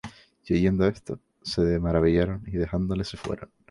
Y oyendo esto, se maravillaron, y dejándole se fueron.